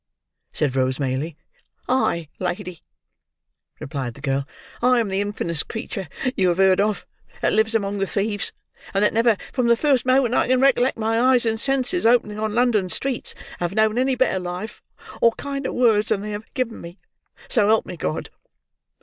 said Rose Maylie. "I, lady!" replied the girl. "I am the infamous creature you have heard of, that lives among the thieves, and that never from the first moment I can recollect my eyes and senses opening on London streets have known any better life, or kinder words than they have given me, so help me God!